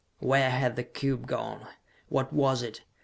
Where had the cube gone? What was it?